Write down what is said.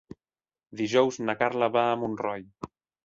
Dijous na Carla va a Montroi.